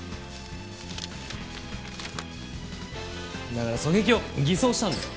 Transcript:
だから狙撃を偽装したんだよ。